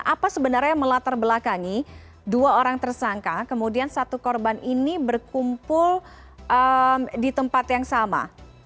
apa sebenarnya yang melatar belakangi dua orang tersangka kemudian satu korban ini berkumpul di tempat yang sama